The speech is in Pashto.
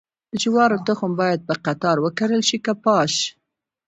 د جوارو تخم باید په قطار وکرل شي که پاش؟